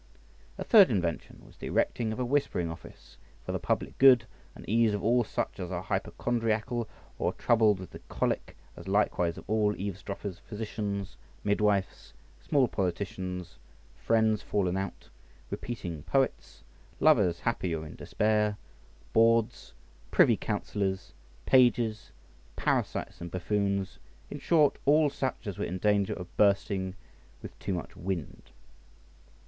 A third invention was the erecting of a whispering office for the public good and ease of all such as are hypochondriacal or troubled with the cholic, as likewise of all eavesdroppers, physicians, midwives, small politicians, friends fallen out, repeating poets, lovers happy or in despair, bawds, privy counsellors, pages, parasites and buffoons, in short, of all such as are in danger of bursting with too much wind.